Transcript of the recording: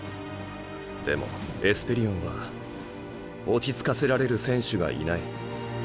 でもエスペリオンは落ち着かせられる選手がいない。